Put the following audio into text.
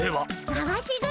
回し車。